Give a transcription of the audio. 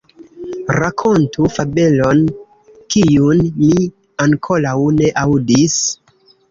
Rakontu fabelon, kiun mi ankoraŭ ne aŭdis.